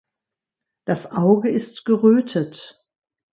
Das Auge ist gerötet.